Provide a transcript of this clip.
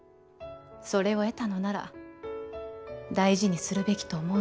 それを得たのなら大事にするべきと思うまで。